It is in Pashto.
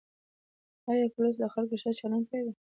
آیا پولیس له خلکو سره ښه چلند کوي؟